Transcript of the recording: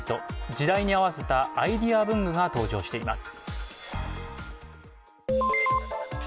時代に合わせたアイデア文具が登場しています。